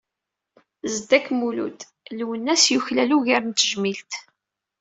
Zeddak Mulud: "Lwennas yuklal ugar n tejmilt".